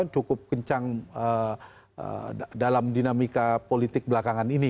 cukup kencang dalam dinamika politik belakangan ini